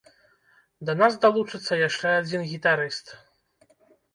Да нас далучыцца яшчэ адзін гітарыст.